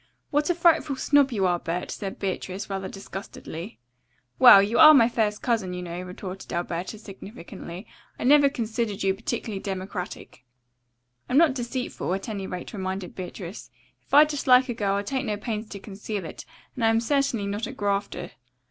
"What a frightful snob you are, Bert," said Beatrice rather disgustedly. "Well, you are my first cousin, you know," retorted Alberta significantly. "I never considered you particularly democratic." "I'm not deceitful, at any rate," reminded Beatrice. "If I dislike a girl I take no pains to conceal it, and I am certainly not a grafter."